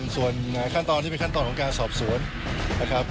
ส่วนขั้นตอนนี้เป็นขั้นตอนของการสอบสวนนะครับ